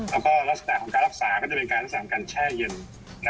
แล้วก็ลักษณะของการรักษาก็จะเป็นการรักษาของการแช่เย็น